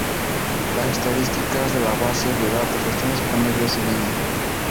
Las estadísticas de la base de datos están disponibles en línea.